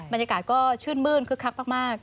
มันยากาศก็ชื่นมื่นคลึกคลักมาก